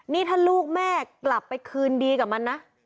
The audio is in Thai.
นี่ถ้าลูกแม่กลับไปคืนดีกับมันนะ